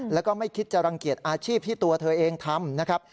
แล้วก็ไม่คิดจะรังเกียจอาชีพที่ตัวเธอเองทำนะครับ